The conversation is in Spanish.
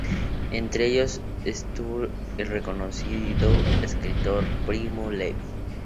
Entre ellos estuvo el reconocido escritor Primo Levi.